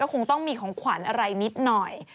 คงต้องมีของขวัญอะไรนิดหน่อย